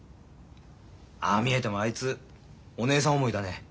ああ見えてもあいつお姉さん思いだね。